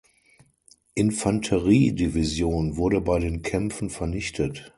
Infanterie-Division wurde bei den Kämpfen vernichtet.